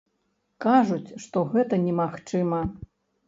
Кажуць, што гэта немагчыма.